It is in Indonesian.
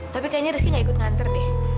tapi kayaknya rizky gak ikut nganter deh